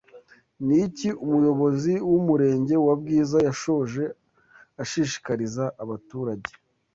Ni iki Umuyobozi w’Umurenge wa Bwiza yashoje ashishikariza abaturage?